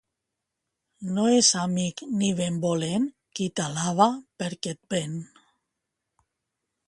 No és amic ni benvolent qui t'alaba perquè et ven.